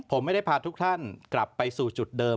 ผมไม่ได้พาทุกท่านกลับไปสู่จุดเดิม